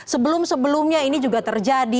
sebelum sebelumnya ini juga terjadi